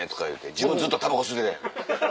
自分ずっとタバコ吸うてたやん